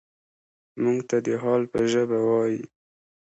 موږ ته د حال په ژبه وايي.